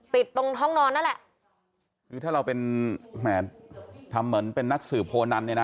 ติดตรงห้องนอนนั่นแหละคือถ้าเราเป็นแหมทำเหมือนเป็นนักสื่อโพนันเนี่ยนะ